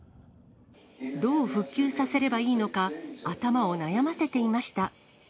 どう復旧させればいいのか、頭を悩ませていました。